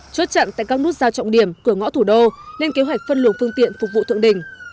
chốt chặn tại các nút giao trọng điểm cửa ngõ thủ đô lên kế hoạch phân luồng phương tiện phục vụ thượng đỉnh